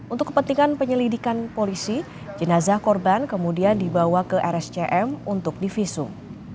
untuk kepentingan penyelidikan polisi jenazah korban kemudian dibawa ke rscm untuk divisum